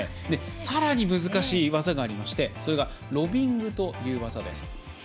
さらに難しい技がありましてそれがロビングという技です。